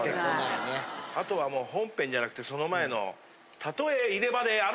あとはもう本編じゃなくてその前の。